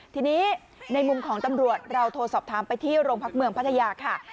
ทีนี้ในมุมของตำรวจเราโทรสอบถามไปที่โรงพักเมืองพัทยาค่ะ